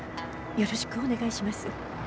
よろしくお願いします。